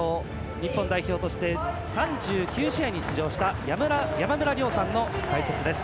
日本代表として３９試合に出場した山村亮さんの解説です。